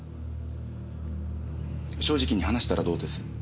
正直に話したらどうです？